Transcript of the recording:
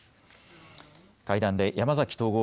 会談で山崎統合